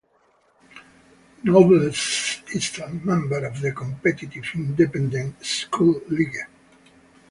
Nobles is a member of the competitive Independent School League.